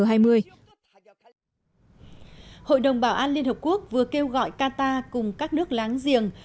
hội đồng bảo an liên hợp quốc vừa kêu gọi qatar cùng các nước láng giềng